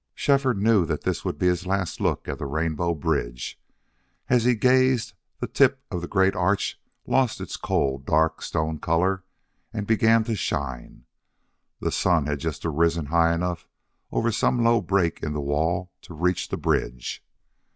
Shefford knew that this would be his last look at the rainbow bridge. As he gazed the tip of the great arch lost its cold, dark stone color and began to shine. The sun had just arisen high enough over some low break in the wall to reach the bridge.